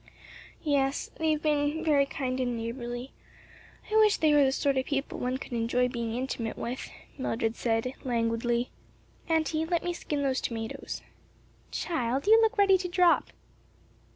"Yes, they have been very kind and neighborly; I wish they were the sort of people one could enjoy being intimate with," Mildred said, languidly. "Auntie, let me skin those tomatoes." "Child, you look ready to drop."